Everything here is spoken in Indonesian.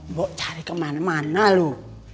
mau cari kemana mana lo